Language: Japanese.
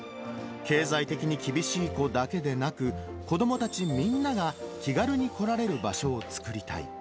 経済的に厳しい子だけでなく、子どもたちみんなが気軽に来られる場所を作りたい。